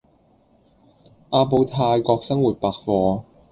阿布泰國生活百貨